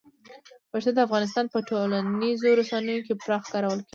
پښتو د افغانستان په ټولنیزو رسنیو کې پراخه کارول کېږي.